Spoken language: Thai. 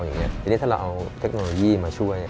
ทีนี้ถ้าเราเอาเทคโนโลยีมาช่วย